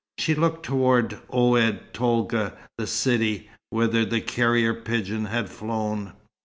She looked toward Oued Tolga, the city, whither the carrier pigeon had flown.